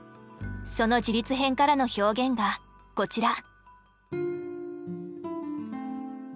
その自立篇からの表現がこちら。